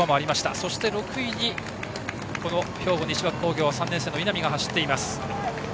そして６位に、兵庫・西脇工業３年生の稲見が走っています。